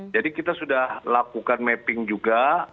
jadi kita sudah lakukan mapping juga